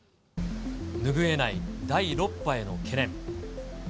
拭えない第６波への懸念。